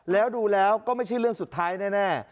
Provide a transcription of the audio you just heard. แล้วดูแล้วก็ไม่ใช่เรื่องสุดท้ายแน่